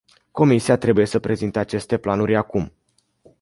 Comisia trebuie să prezinte aceste planuri acum.